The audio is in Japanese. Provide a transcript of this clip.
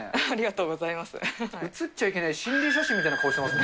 うつっちゃいけない心霊写真みたいな顔してますね。